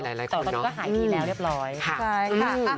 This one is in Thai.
แต่ตอนนี้ก็หายดีแล้วเรียบร้อยค่ะ